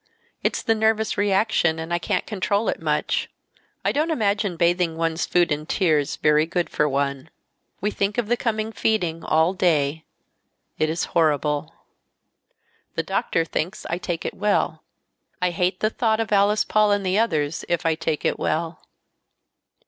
It's the nervous reaction, and I can't control it much. I don't imagine bathing one's food in tears very good for one. "We think of the coming feeding all day. It is horrible. The doctor thinks I take it well. I hate the thought of Alice Paul and the others if I take it well."